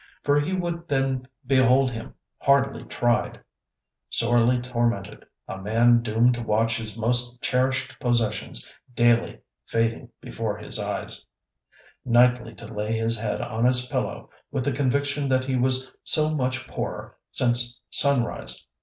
For he would then behold him hardly tried, sorely tormented, a man doomed to watch his most cherished possessions daily fading before his eyes; nightly to lay his head on his pillow with the conviction that he was so much poorer since sunrise.